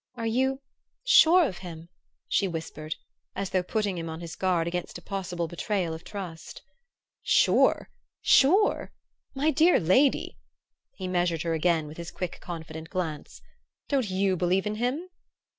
"Are you sure of him?" she whispered, as though putting him on his guard against a possible betrayal of trust. "Sure! Sure! My dear lady " he measured her again with his quick confident glance. "Don't you believe in him?"